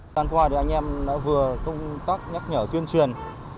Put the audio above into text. gian qua thì anh em đã vừa công tác nhắc nhở tuyên truyền